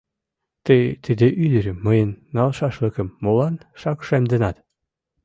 Тый тиде ӱдырым, мыйын налшашлыкым, молан шакшемденат?